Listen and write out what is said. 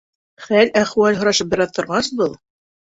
Хәл-әхүәл һорашып бер аҙ торғас, был: